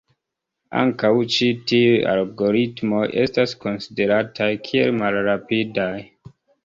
Ankaŭ ĉi tiuj algoritmoj estas konsiderataj kiel malrapidaj.